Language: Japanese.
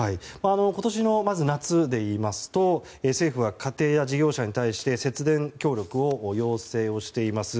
今年の夏でいいますと政府は家庭や事業者に対して節電協力を要請しています。